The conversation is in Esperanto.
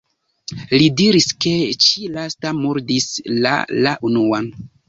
Li diris ke ĉi-lasta murdis la la unuan.